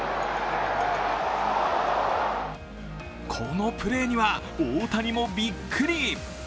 このプレーには、大谷もびっくり。